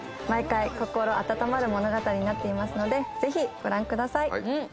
毎回心温まる物語になっていますのでぜひご覧ください。